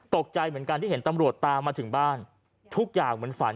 ตกใจเหมือนกันที่เห็นตำรวจตามมาถึงบ้านทุกอย่างเหมือนฝัน